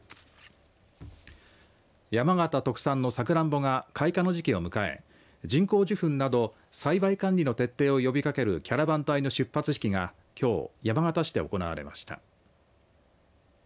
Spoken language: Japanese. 山形特産のさくらんぼが開花の時期を迎え人工授粉など栽培管理の徹底を呼びかけるキャラバン隊の出発式がきょう、山形市で行われました。